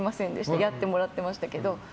やってもらってましたけど。